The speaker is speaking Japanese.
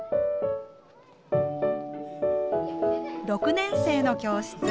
６年生の教室。